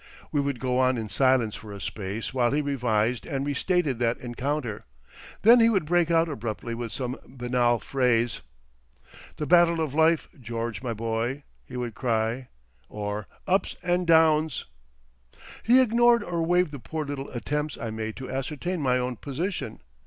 We would go on in silence for a space while he revised and restated that encounter. Then he would break out abruptly with some banal phrase. "The Battle of Life, George, my boy," he would cry, or "Ups and Downs!" He ignored or waived the poor little attempts I made to ascertain my own position.